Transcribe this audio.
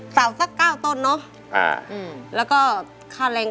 สวัสดีครับคุณหน่อย